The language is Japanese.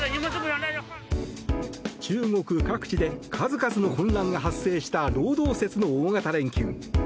中国各地で数々の混乱が発生した労働節の大型連休。